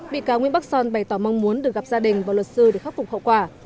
bị cáo nguyễn bắc son bày tỏ mong muốn được gặp gia đình và luật sư để khắc phục hậu quả